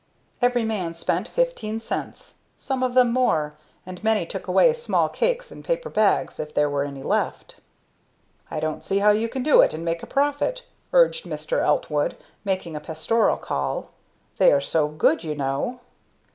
Every man spent fifteen cents, some of them more; and many took away small cakes in paper bags, if there were any left. "I don't see how you can do it, and make a profit," urged Mr. Eltwood, making a pastorial call. "They are so good you know!"